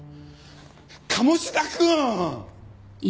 鴨志田君！